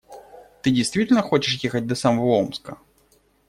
Ты действительно хочешь ехать до самого Омска?